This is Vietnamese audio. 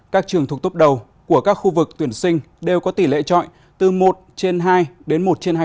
các trường thuộc tốp đầu của các khu vực tuyển sinh đều có tỷ lệ trọi từ một trên hai đến một trên hai mươi